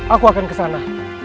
aku akan kesana